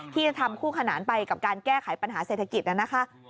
ที่จะทำคู่ขนานไปกับการแก้ไขปัญหาเศรษฐกิจนะคะ